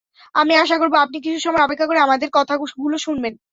আমি আশা করব আপনি কিছু সময় অপেক্ষা করে আমাদের কথা শুনবেন।